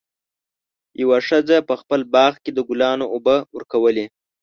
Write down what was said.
یوه ښځه په خپل باغ کې د ګلانو اوبه ورکولې.